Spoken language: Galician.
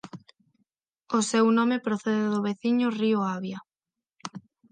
O seu nome procede do veciño río Avia.